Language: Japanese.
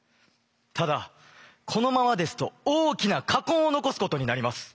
ただこのままですと大きな禍根を残すことになります。